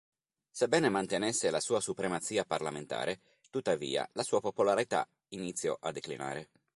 Sebbene mantenesse la sua supremazia parlamentare, tuttavia, la sua popolarità iniziò a declinare.